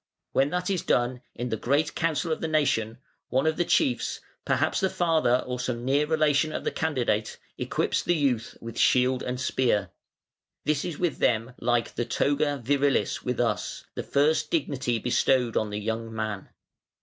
When that is done, in the great Council of the nation one of the chiefs, perhaps the father or some near relation of the candidate, equips the youth with shield and spear. This is with them like the toga virilis with us, the first dignity bestowed on the young man.